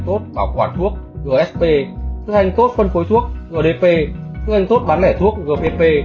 thuốc bảo quản thuốc gsp thực hành thuốc phân phối thuốc gdp thực hành thuốc bán lẻ thuốc gpp